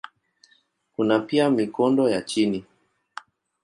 Kuna pia mikondo ya chini.